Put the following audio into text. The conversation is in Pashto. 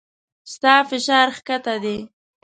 ستا فشار کښته دی